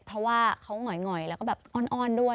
เพราะว่าเขาหงอยแล้วก็แบบอ้อนด้วย